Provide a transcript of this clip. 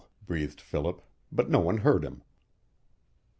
breathed Philip, but no one heard him.